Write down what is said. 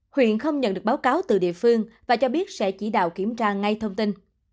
huyện không nhận được báo cáo từ địa phương và cho biết sẽ chỉ đạo kiểm tra ngay thông tin